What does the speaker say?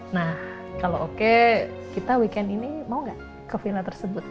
nah kalau oke kita weekend ini mau gak ke villa tersebut